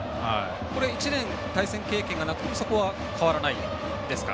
１年、対戦経験がなくてもそこは変わらないですか？